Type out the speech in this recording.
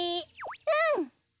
うん！